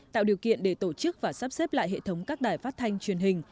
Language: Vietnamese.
tạo điều kiện để tổ chức và sắp xếp lại hệ thống các đài phát thanh truyền hình